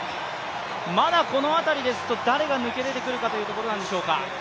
まだこの辺りですと誰が抜け出てくるかというところなんでしょうか。